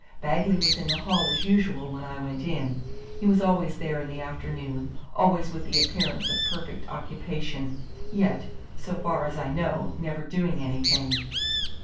Bagley was in the hall as usual when I went in. He was always there in the afternoon, always with the appearance of perfect occupation, yet, so far as I know, never doing anything.